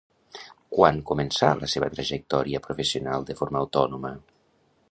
I quan començà la seva trajectòria professional de forma autònoma?